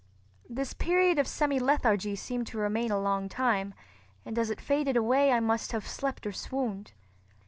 This period of semilethargy seemed to remain a long time, and as it faded away I must have slept or swooned.